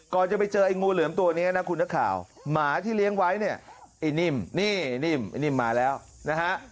จะไปเจอไอ้งูเหลือมตัวนี้นะคุณนักข่าวหมาที่เลี้ยงไว้เนี่ยไอ้นิ่มนี่นิ่มไอ้นิ่มมาแล้วนะฮะ